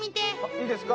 いいですか。